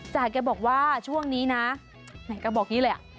จ๊าแกบอกว่าช่วงนี้นะแกบอกงี้เลย